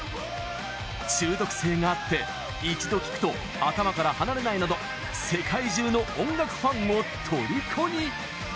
中毒性があって一度聴くと頭から離れないなど世界中の音楽ファンをとりこに。